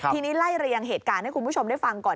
ทีนี้ไล่เรียงเหตุการณ์ให้คุณผู้ชมได้ฟังก่อน